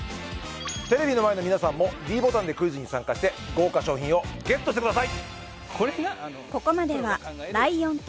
テレビの前の皆さんもｄボタンでクイズに参加して豪華賞品をＧＥＴしてください